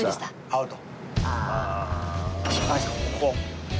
アウト。